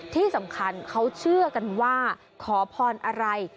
ที่สำคัญเขาเชื่อกันว่าขอพรอะไร